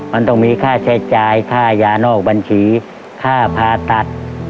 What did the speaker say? มันต้องมีค่าใช้จ่ายค่ายานอกบัญชีค่าผ่าตัด